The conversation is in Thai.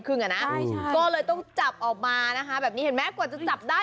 อ่ะนะก็เลยต้องจับออกมานะคะแบบนี้เห็นไหมกว่าจะจับได้